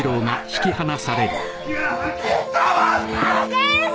先生！